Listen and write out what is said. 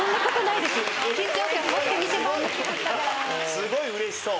すごいうれしそう。